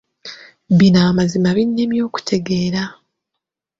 Bino amazima binnemye okutegeera.